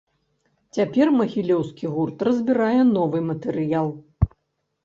Цяпер магілёўскі гурт разбірае новы матэрыял.